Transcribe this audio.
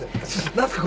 何すか？